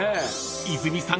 ［泉さん